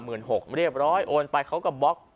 เรียบร้อยโอนไปเขาก็บล็อก